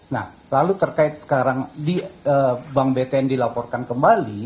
nah lalu terkait sekarang di bank btn dilaporkan kembali